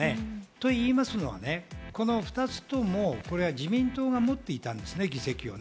と言いますのは、この２つとも自民党が持っていたんですね、議席を。